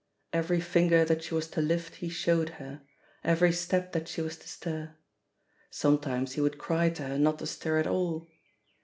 Every finger that she was to lift he showed her ; every step that she was to stir. Sometimes he would cry to her not to stir at all.